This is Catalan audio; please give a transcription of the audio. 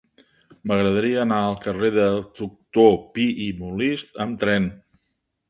M'agradaria anar al carrer del Doctor Pi i Molist amb tren.